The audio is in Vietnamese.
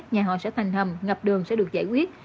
nhà họ sẽ thành hầm ngập đường sẽ được giải quyết